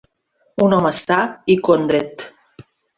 Un home sa i condret.